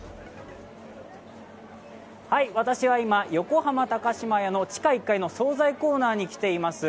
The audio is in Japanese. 私は今、横浜高島屋の地下１階の総菜コーナーに来ています。